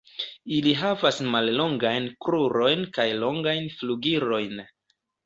Ili havas mallongajn krurojn kaj longajn flugilojn.